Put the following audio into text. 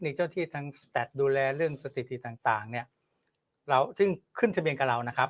เทคนิคเจ้าที่ทั้งแสตร์ดูแลเรื่องสติธิต่างเนี่ยเราซึ่งขึ้นทะเบียงกับเรานะครับ